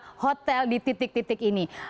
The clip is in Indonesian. atau membuka hotel di titik titik ini